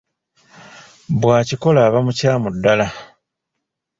Bw'akikola aba mukyamu ddala!